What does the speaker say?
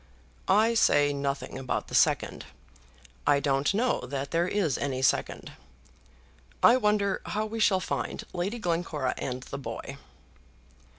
"I say nothing about the second. I don't know that there is any second. I wonder how we shall find Lady Glencora and the boy."